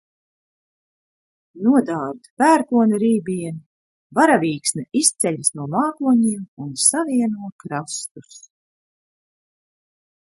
Nodārd pērkona rībieni, varavīksne izceļas no mākoņiem un savieno krastus.